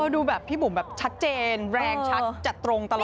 ดูแบบพี่บุ๋มแบบชัดเจนแรงชัดจัดตรงตลอด